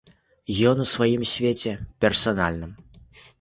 Ён у сваім свеце персанальным.